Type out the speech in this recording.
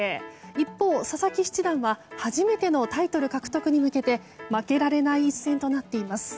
一方、佐々木七段は初めてのタイトル獲得に向けて負けられない一戦となっています。